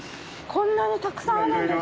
こんなにたくさんあるんですね。